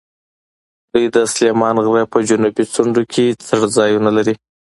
دوی د سلیمان غره په جنوبي څنډو کې څړځایونه لري.